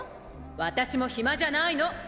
私もヒマじゃないの！